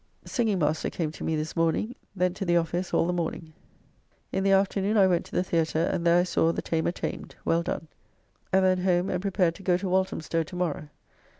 Singing master came to me this morning; then to the office all the morning. In the afternoon I went to the Theatre, and there I saw "The Tamer Tamed" well done. And then home, and prepared to go to Walthamstow to morrow.